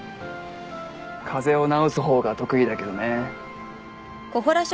風邪を治す方が得意だけどね。